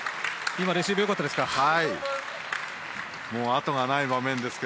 今、レシーブよかったですか。